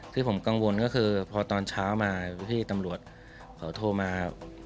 ที่ผมกังวลก็คือพอตอนเช้ามาพี่ตำรวจเขาโทรมา